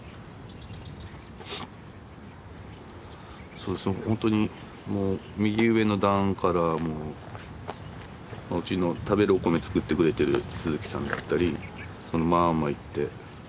そうそうほんとにもう右上の段からもううちの食べるお米作ってくれてる鈴木さんだったりそのまんまいっていや